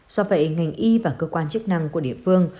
do vậy ngành y và cơ quan chức năng của địa phương